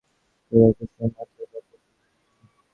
শব্দে সচকিত হইয়া আত্মসংবরণ করিয়া কুসুম মাথার কাপড় তুলিয়া দিল।